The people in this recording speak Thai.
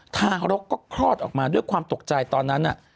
ทารกก็คลอดออกมาด้วยความตกใจตอนนั้น